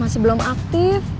masih belum aktif